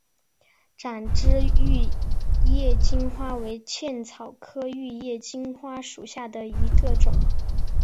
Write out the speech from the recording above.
展枝玉叶金花为茜草科玉叶金花属下的一个种。